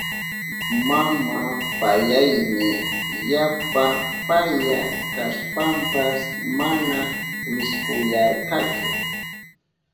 Mama payayni yapa paya kashpanpas mana wiskuyarkachu.